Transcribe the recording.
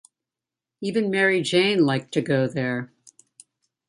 Even Mary-Jane liked to go there.